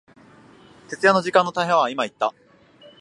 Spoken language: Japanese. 徹夜の時間の大半は、今言った、